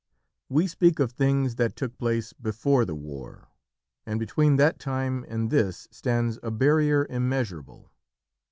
We speak of things that took place "Before the War"; and between that time and this stands a barrier immeasurable.